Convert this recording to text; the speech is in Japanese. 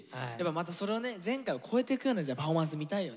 前回を超えてくようなパフォーマンス見たいよね。